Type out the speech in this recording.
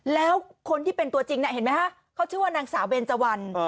แล้วคนที่เป็นตัวจริงนะเขาชื่อนางสาวเบรจวัล